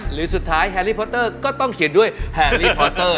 หรือสุดท้ายแฮรี่พอเตอร์ก็ต้องเขียนด้วยแฮรี่พอเตอร์